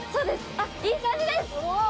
あっいい感じです！